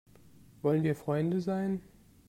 Wollen wir Freunde sein?